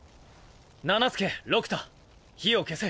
七助六太火を消せ！